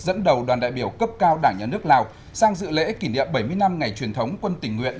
dẫn đầu đoàn đại biểu cấp cao đảng nhà nước lào sang dự lễ kỷ niệm bảy mươi năm ngày truyền thống quân tình nguyện